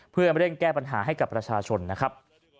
เพื่อเร่งแก้ปัญหาให้กับประชาชนนะครับ